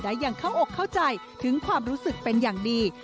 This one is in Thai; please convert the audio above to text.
อย่างเข้าอกเข้าใจถึงความรู้สึกเป็นอย่างดี